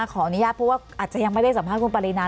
ขออนุญาตเพราะว่าอาจจะยังไม่ได้สัมภาษณ์คุณปรินา